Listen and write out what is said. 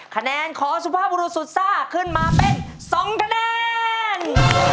คะแนนของสุภาพบุรุษสุซ่าขึ้นมาเป็น๒คะแนน